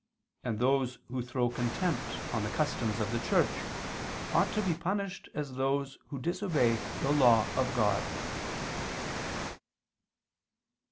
And those who throw contempt on the customs of the Church ought to be punished as those who disobey the law of God."